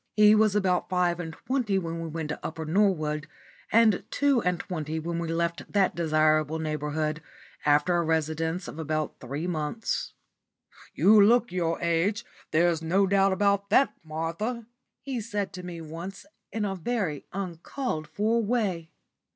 He was about five and twenty when we went to Upper Norwood, and two and twenty when we left that desirable neighbourhood, after a residence of about three months. "You look your age; there's no doubt about that, Martha," he said to me once, in a very uncalled for way.